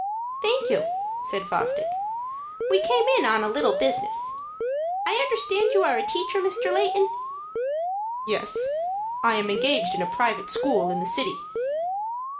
"Thank you," said Fosdick. "We came in on a little business. I understand you are a teacher, Mr. Layton." "Yes, I am engaged in a private school in the city."